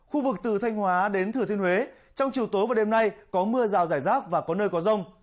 khu vực từ thanh hóa đến thừa thiên huế trong chiều tối và đêm nay có mưa rào rải rác và có nơi có rông